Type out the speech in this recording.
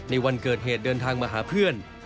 วันเกิดเหตุเดินทางมาหาเพื่อน